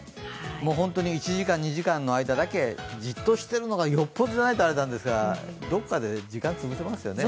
本当に１時間とか２時間の間だけ、じっとしているというのはよほどじゃないとあれなんですが、どこかで時間潰せますよね？